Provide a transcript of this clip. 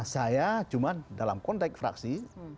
saya cuma dalam konteks fraksi